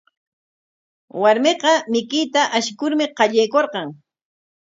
Warmiqa mikuyta ashikurmi qallaykurqan.